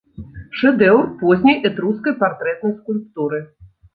Шэдэўр позняй этрускай партрэтнай скульптуры.